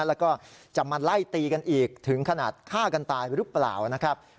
แล้วก็จะมาไล่ตีกันอีกถึงขนาดฆ่ากันตายหรือเปล่านะครับ